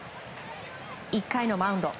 １回のマウンド。